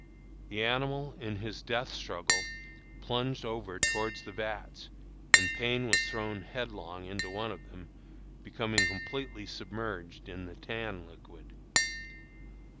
The animal, in his death struggle, plunged over towards the vats, and Payne was thrown headlong into one of them, being completely submerged in the tan liquid.